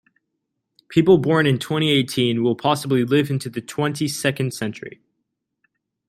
People born in twenty-eighteen will possibly live into the twenty-second century.